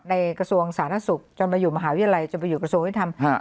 กระทรวงสาธารณสุขจนมาอยู่มหาวิทยาลัยจนไปอยู่กระทรวงยุทธรรม